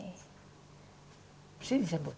di sini saya buat